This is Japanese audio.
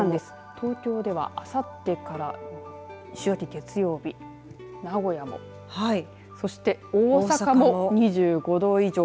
東京では、あさってから週明け月曜日名古屋もそして、大阪も２５度以上。